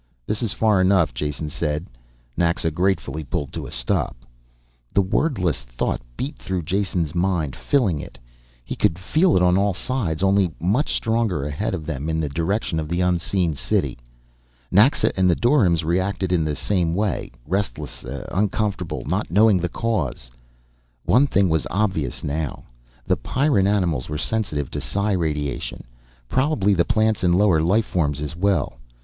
"This is far enough," Jason said. Naxa gratefully pulled to a stop. The wordless thought beat through Jason's mind, filling it. He could feel it on all sides only much stronger ahead of them in the direction of the unseen city. Naxa and the doryms reacted in the same way, restlessly uncomfortable, not knowing the cause. One thing was obvious now. The Pyrran animals were sensitive to psi radiation probably the plants and lower life forms as well.